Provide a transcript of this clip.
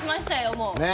もう。